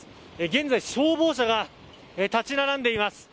現在、消防車が立ち並んでいます。